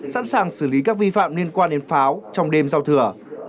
sẵn sàng xử lý các vi phạm liên quan đến pháo trong đêm giao thừa